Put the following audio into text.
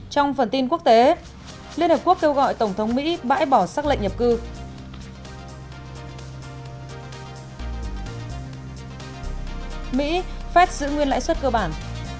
trong phần tin quốc tế liên hợp quốc kêu gọi tổng thống mỹ bãi bỏ xác lệnh nhập cư mỹ phép giữ nguyên lãi suất cơ bản